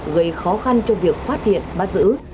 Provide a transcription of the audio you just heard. gây khó khăn cho việc phát hiện bắt giữ